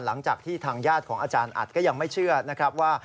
หลังจากที่ทางญาติของอาจารย์อัดก็ยังไม่เชื่อนะครับว่า